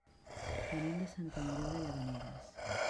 Venim de Sant Andreu de Llavaneres.